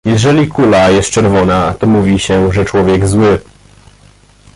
"Jeżeli kula jest czerwona, to mówi się, że człowiek „zły“."